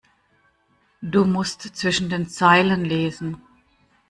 Du musst zwischen den Zeilen lesen.